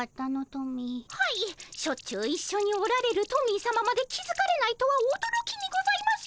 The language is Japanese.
はいしょっちゅう一緒におられるトミーさままで気付かれないとはおどろきにございます！